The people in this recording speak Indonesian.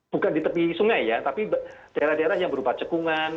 bukan di tepi sungai ya tapi daerah daerah yang berupa cekungan